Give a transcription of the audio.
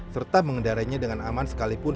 serta mengendarainya dengan aman sekalipun